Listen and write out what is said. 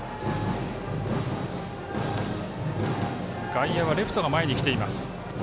外野はレフトが前に来ています。